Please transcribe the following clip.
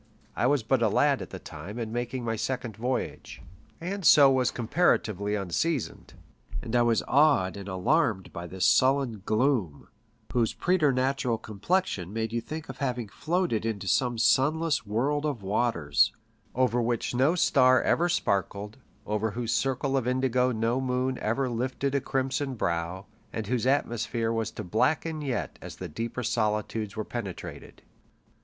I was but a lad at the time and making my second voyage, and so was com paratively unseasoned; and I was awed and alarmed by this sullen gloom, whose preternatural complexion made you think of having floated into some sunless world of waters, over which no star ever sparkled, over whose circle of indigo no moon ever lifted a crimson brow, and whose atmosphere was to blacken yet as the deeper solitudes were penetrated.